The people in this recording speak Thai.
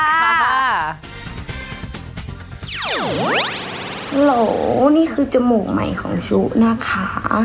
หรอนี่คือจมูกใหม่ของซุนะคะ